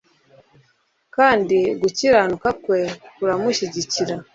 kandi gukiranuka kwe kuramushyigikira